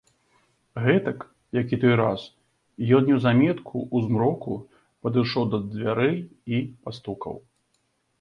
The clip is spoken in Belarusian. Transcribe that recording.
Гэтак, як і той раз, ён неўзаметку ў змроку падышоў да дзвярэй і пастукаў.